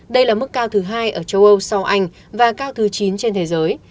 đây là mức cao thứ hai ở châu âu sau anh và cao thứ chín trên thế giới